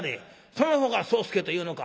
『その方が宗助というのか。